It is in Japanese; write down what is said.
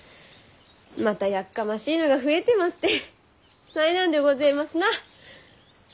またやっかましいのが増えてまって災難でごぜますな。